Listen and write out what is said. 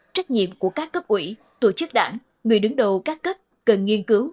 trách nhiệm của các cấp ủy tổ chức đảng người đứng đầu các cấp cần nghiên cứu